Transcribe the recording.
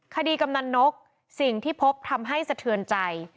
กำนันนกสิ่งที่พบทำให้สะเทือนใจ